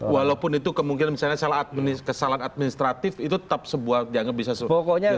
walaupun itu kemungkinan misalnya kesalahan administratif itu tetap sebuah dianggap bisa sebuah